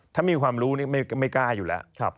ถ้ามีความรู้นี่ไม่กล้าอยู่แล้ว